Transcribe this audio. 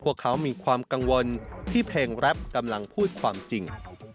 พวกเขามีความกังวลที่เพลงแรปกำลังพูดความจริง